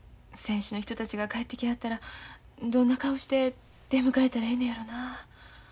選手の人たちが帰ってきはったらどんな顔して出迎えたらええのやろな。